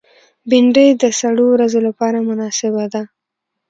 بېنډۍ د سړو ورځو لپاره مناسبه ده